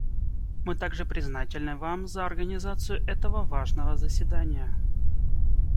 Мы также признательны Вам за организацию этого важного заседания.